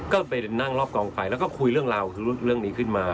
ก็ไปนั่งรอบกองไฟแล้วก็คุยเรื่องราวคือเรื่องนี้ขึ้นมา